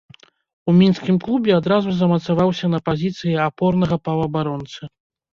У мінскім клубе адразу замацаваўся на пазіцыі апорнага паўабаронцы.